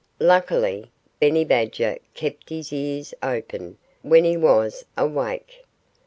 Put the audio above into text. Luckily, Benny Badger kept his ears open, when he was awake.